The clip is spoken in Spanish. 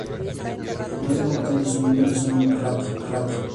Cinco personajes importantes son hombres rata.